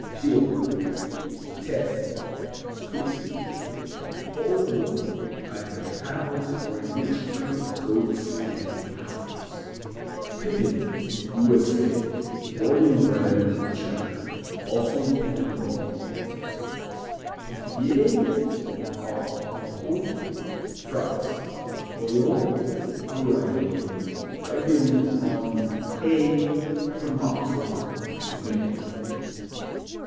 Piora Tessin, Switzerland Whole milk, either cow's or a mixture of goat's and cow's. Pippen U.S.A. Borden brand of Cheddar. Also Pippen Roll Pithiviers au Foin France Orléans variety ripened on hay from October to May.